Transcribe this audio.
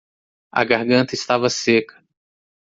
A garganta estava seca